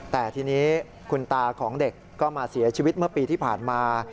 แต่ทีนี้คุณตาของเด็กก็มาเสียชีวิตเมื่อปีที่ผ่านมา